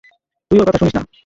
তুই ওর কথা শুনিস না।